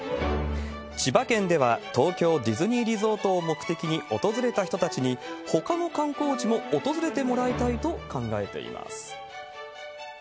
千葉県では、東京ディズニーリゾートを目的に訪れた人たちに、ほかの観光地も訪れてもらいたいと考えています。